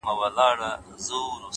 مثبت چلند د شخړو تودوخه کموي,